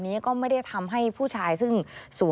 มันเกิดเหตุเป็นเหตุที่บ้านกลัว